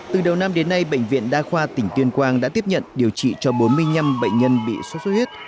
từ đầu năm đến nay bệnh viện đa khoa tỉnh tuyên quang đã tiếp nhận điều trị cho bốn mươi năm bệnh nhân bị sốt xuất huyết